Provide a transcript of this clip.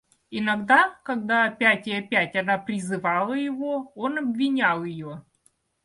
Иногда, когда опять и опять она призывала его, он обвинял ее.